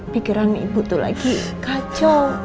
pikiran ibu tuh lagi kacau